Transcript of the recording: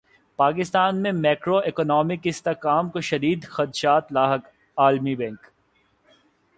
پاکستان میں macro economic استحکام کو شدید خدشات لاحق عالمی بینک